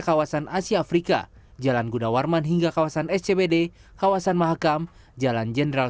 kawasan asia afrika jalan gunawarman hingga kawasan scbd kawasan mahakam jalan jenderal